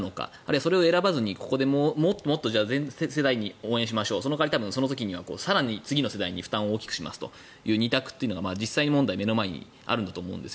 それを選ばずに全世代を応援しましょうその時には次の世代に更に負担を大きくしますという２択というのが実際問題目の前にあるんだと思うんです。